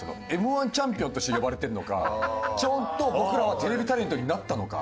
Ｍ−１チャンピオンとして呼ばれてるのかちゃんと僕らはテレビタレントになったのか。